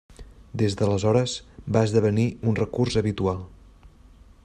Des de l'aleshores va esdevenir un recurs habitual.